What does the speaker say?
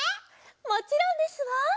もちろんですわ。